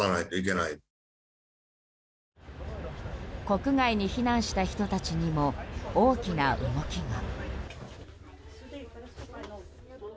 国外に避難した人たちにも大きな動きが。